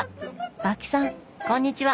和氣さんこんにちは！